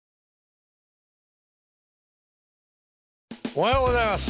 おはようございます！